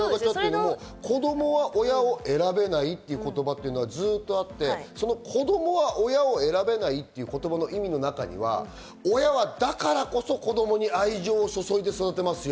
子供は親を選べないっていう言葉っていうのはずっとあって、その子供は親を選べないっていう言葉の意味の中には親は、だからこそ子供に愛情を注いで育てますよ。